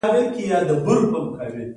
پخوا خلک غریب وو.